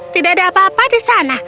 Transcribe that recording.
tidak ada apa apa di sana